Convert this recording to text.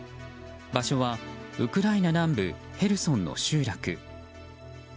場所はウクライナ南部ヘルソンの集落。